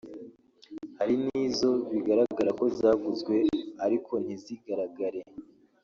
Hari n’izo bigaragara ko zaguzwe ariko ntizigaragare